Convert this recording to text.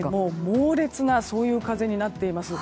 猛烈なそういう風になっています。